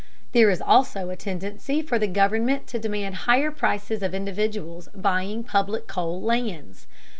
There is also a tendency for the government to demand higher prices of individuals buying public coal lands.